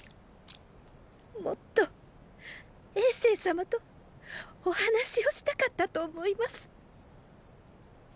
もっと政様とお話をしたかったと思います。